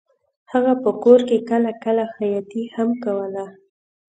هغه په کور کې کله کله خیاطي هم کوله